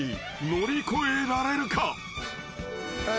乗り越えられるか？］